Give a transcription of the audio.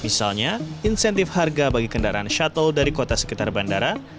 misalnya insentif harga bagi kendaraan shuttle dari kota sekitar bandara